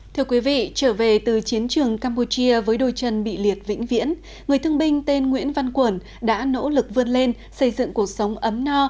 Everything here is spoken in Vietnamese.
thưa quý vị trở về từ chiến trường campuchia với đôi chân bị liệt vĩnh viễn người thương binh tên nguyễn văn quẩn đã nỗ lực vươn lên xây dựng cuộc sống ấm no